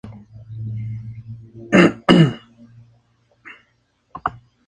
El nuevo gobernador lo ascendió al grado de teniente coronel.